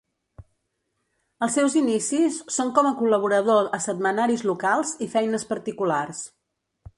Els seus inicis són com a col·laborador a setmanaris locals i feines particulars.